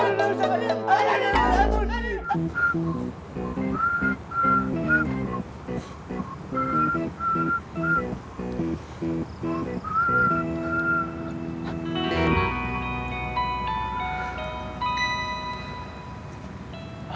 aduh aduh aduh